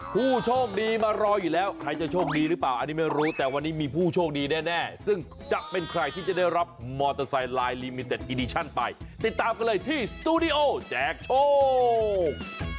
ผู้โชคดีมารออยู่แล้วใครจะโชคดีหรือเปล่าอันนี้ไม่รู้แต่วันนี้มีผู้โชคดีแน่ซึ่งจะเป็นใครที่จะได้รับมอเตอร์ไซค์ไลน์ลีมิเต็ดอีดิชั่นไปติดตามกันเลยที่สตูดิโอแจกโชค